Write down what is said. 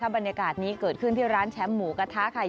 บรรยากาศนี้เกิดขึ้นที่ร้านแชมป์หมูกระทะค่ะ